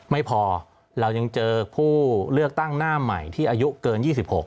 ไม่พอเรายังเจอผู้เลือกตั้งหน้าใหม่ที่อายุเกิน๒๖